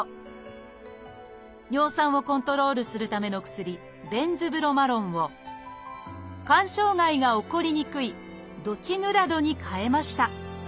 尿酸をコントロールするための薬「ベンズブロマロン」を肝障害が起こりにくい「ドチヌラド」に替えました。